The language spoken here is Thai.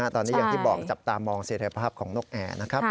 ตอนนี้อย่างที่บอกจับตามองเสร็จภาพของนกแอร์นะครับ